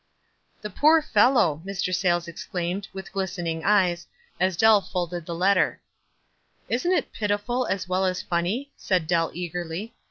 "The poor fellow!" Mr. Sayles exclaimed, with glistening eyes, as Dell folded the letter WISE AND OTHERWISE. 293 " Isn't it pitiful, as well as funny ?" said Dell, eagerly.